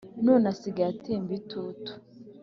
none asigaye atemba itutu